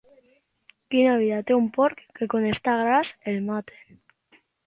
Quina vida té un porc que quan està gras el maten.